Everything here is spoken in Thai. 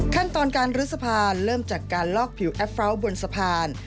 ขั้นตอนการลื้อสะพานเริ่มจากการลอกผิวแอปเลาทบนสะพาน